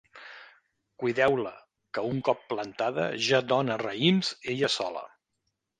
Cuideu-la, que un cop plantada ja dóna raïms ella sola